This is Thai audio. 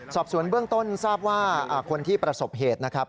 สอบสวนเบื้องต้นทราบว่าคนที่ประสบเหตุนะครับ